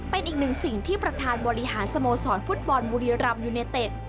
เป็นอีกหนึ่งสิ่งที่ประธานบริหารสโมสรฟุตบอลบุรีรำยูเนเต็ด